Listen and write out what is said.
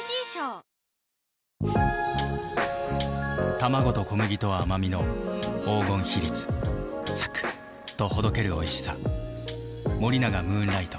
卵と小麦と甘みの黄金比率とほどけるおいしさ森永ムーンライト